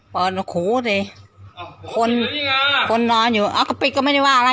ในการจดลองที่สว่างที่ไม่ถูกท่านที่แย่ใจ